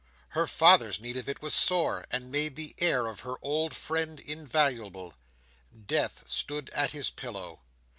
Her father's need of it was sore, and made the aid of her old friend invaluable. Death stood at his pillow.